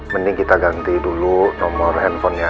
mending kita ganti dulu nomor handphonenya